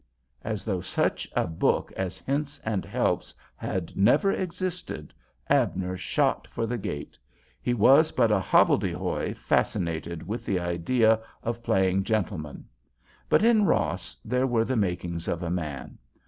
As though such a book as Hints and Helps had never existed, Abner shot for the gate—he was but a hobbledehoy fascinated with the idea of playing gentleman. But in Ross there were the makings of a man.